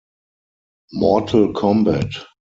Mortal Combat